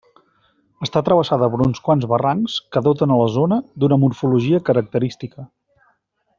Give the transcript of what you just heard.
Està travessada per uns quants barrancs que doten a la zona d'una morfologia característica.